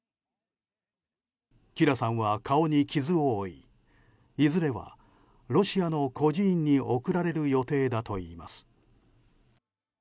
キラさんは顔に傷を負いいずれはロシアの孤児院に送られる予定だといいます。